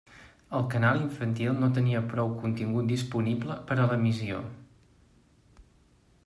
El canal infantil no tenia prou contingut disponible per a l'emissió.